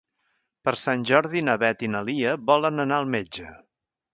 Per Sant Jordi na Beth i na Lia volen anar al metge.